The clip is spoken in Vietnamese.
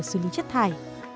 xử lý chất thải